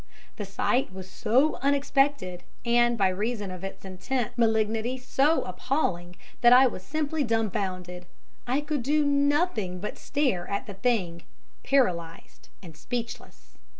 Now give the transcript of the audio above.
The sight was so unexpected, and, by reason of its intense malignity, so appalling, that I was simply dumbfounded. I could do nothing but stare at the Thing paralysed and speechless.